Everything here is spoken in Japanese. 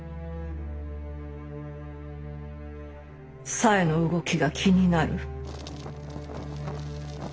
紗江の動きが気になる。